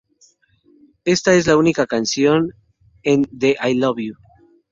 Esta es la única canción en de "I Love You.